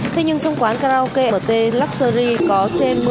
thế nhưng trong quán karaoke mt luxury có trên